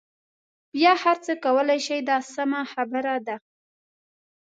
بیا هر څه کولای شئ دا سمه خبره ده.